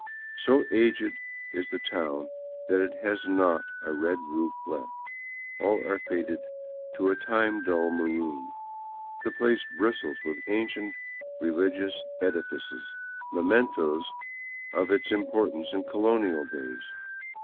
So aged is the town that it has not a red roof left; all are faded to a time dulled maroon. The place bristles with ancient religious edi fices, mementoes of its importance in colonial days.